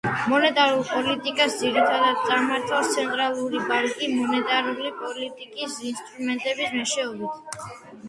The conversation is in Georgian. მონეტარულ პოლიტიკას ძირითადად წარმართავს ცენტრალური ბანკი მონეტარული პოლიტიკის ინსტრუმენტების მეშვეობით.